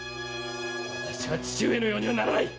私は父上のようにはならない！